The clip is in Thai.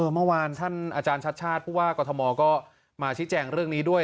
เมื่อวานท่านอาจารย์ชัดชาติผู้ว่ากรทมก็มาชี้แจงเรื่องนี้ด้วย